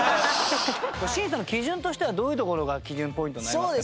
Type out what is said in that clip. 審査の基準としてはどういうところが基準ポイントになりますかね？